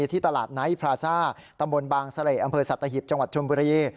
ที่ตลาดไนท์พราซ่าตำบลบางเสร่อำเภอสัตหิบจังหวัดชมบุรี